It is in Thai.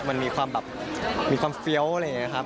มันมีความแบบมีความเฟี้ยวอะไรอย่างนี้ครับ